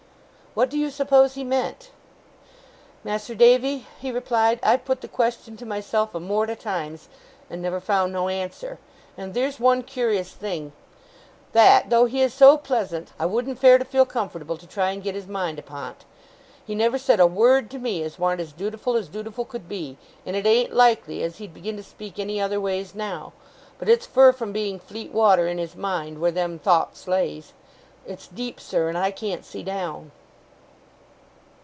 'What do you suppose he meant?' 'Mas'r Davy,' he replied, 'I've put the question to myself a mort o' times, and never found no answer. And theer's one curious thing that, though he is so pleasant, I wouldn't fare to feel comfortable to try and get his mind upon 't. He never said a wured to me as warn't as dootiful as dootiful could be, and it ain't likely as he'd begin to speak any other ways now; but it's fur from being fleet water in his mind, where them thowts lays. It's deep, sir, and I can't see down.